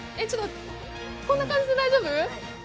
こんな感じで大丈夫？